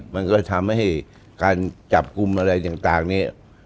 มันก็ทำให้การจับกลุ่มอะไรต่างเนี่ย